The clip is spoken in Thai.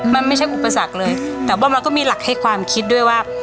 มันไม่ใช่อุปสรรคเลยแต่ว่ามันก็มีหลักให้ความคิดด้วยว่า